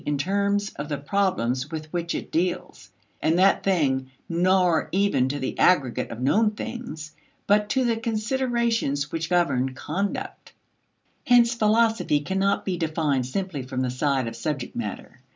For an underlying disposition represents an attitude not to this and that thing nor even to the aggregate of known things, but to the considerations which govern conduct. Hence philosophy cannot be defined simply from the side of subject matter.